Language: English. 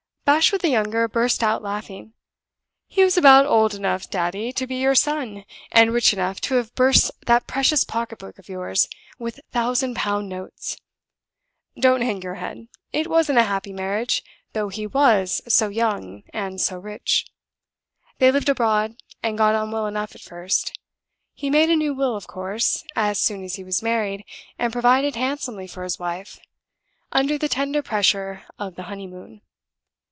Bashwood the younger burst out laughing. "He was about old enough, daddy, to be your son, and rich enough to have burst that precious pocket book of yours with thousand pound notes! Don't hang your head. It wasn't a happy marriage, though he was so young and so rich. They lived abroad, and got on well enough at first. He made a new will, of course, as soon as he was married, and provided handsomely for his wife, under the tender pressure of the honey moon.